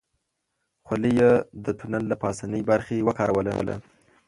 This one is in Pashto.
خولۍ يې د تونل له پاسنۍ برخې وکاروله.